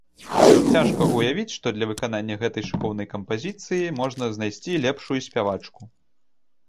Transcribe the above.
Цяжка ўявіць, што для выканання гэтай шыкоўнай кампазіцыі можна знайсці лепшую спявачку.